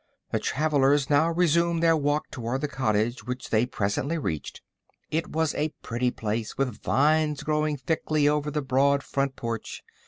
The travellers now resumed their walk toward the cottage, which they presently reached. It was a pretty place, with vines growing thickly over the broad front porch.